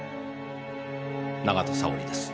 永田沙織です。